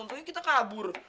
untungnya kita kabur